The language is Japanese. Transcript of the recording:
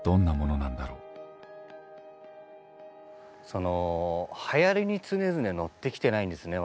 そのはやりに常々乗ってきてないんですね。